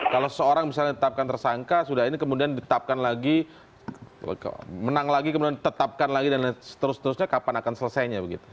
kalau seorang misalnya ditetapkan tersangka sudah ini kemudian ditetapkan lagi menang lagi kemudian ditetapkan lagi dan seterusnya kapan akan selesainya begitu